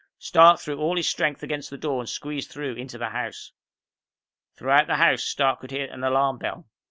Stark threw all his strength against the door and squeezed through into the house. Throughout the house, Stark could hear the alarm bell.